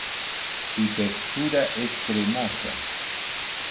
Su textura es cremosa.